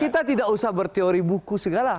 kita tidak usah berteori buku segala